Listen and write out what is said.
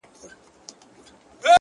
دده مخ د نمکينو اوبو ډنډ سي،